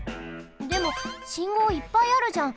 でもしんごういっぱいあるじゃん。